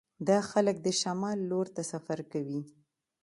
دا خلک د شمال لور ته سفر کوي